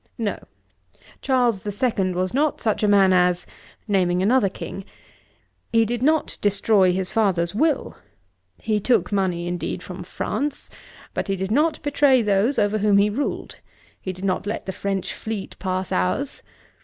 No; Charles the Second was not such a man as , (naming another King). He did not destroy his father's will. He took money, indeed, from France: but he did not betray those over whom he ruled: He did not let the French fleet pass ours.